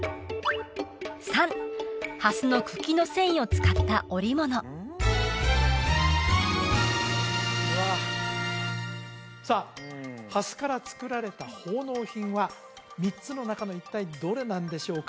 ３蓮の茎の繊維を使った織物さあ蓮から作られた奉納品は３つの中の一体どれなんでしょうか？